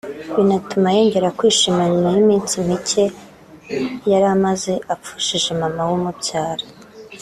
binatuma yongera kwishima nyuma y’iminsi mike yari amaze apfushije Mama we umubyara